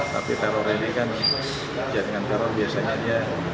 tapi teror ini kan jaringan teror biasanya